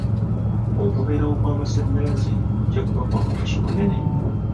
Okubeerawo kw'amasannyalaze kujja kuba kwa mugaso munene.